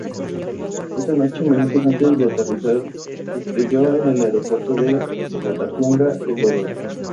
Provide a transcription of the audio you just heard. Esa noche, minutos antes de aterrizar se estrelló en el aeropuerto de Latacunga, Ecuador.